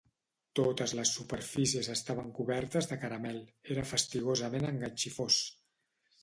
Totes les superfícies estaven cobertes de caramel; era fastigosament enganxifós.